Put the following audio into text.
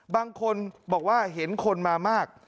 บางคนบอกว่าเห็นคนมามาก